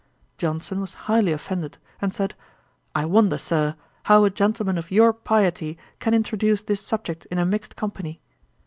Johnson was highly offended, and said, 'I wonder, Sir, how a gentleman of your piety can introduce this subject in a mixed company.'